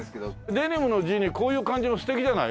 デニムの地にこういう感じの素敵じゃない。